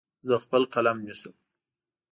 زه خپل قلم نیسم.